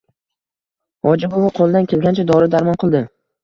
Hoji buvi qo‘lidan kelgancha dori-darmon qildi...